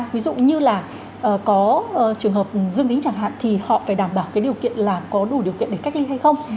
ví dụ như là có trường hợp dương tính chẳng hạn thì họ phải đảm bảo cái điều kiện là có đủ điều kiện để cách ly hay không